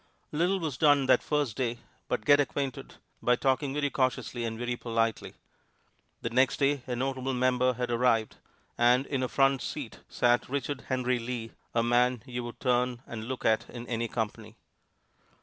Little was done that first day but get acquainted by talking very cautiously and very politely. The next day a notable member had arrived, and in a front seat sat Richard Henry Lee, a man you would turn and look at in any company.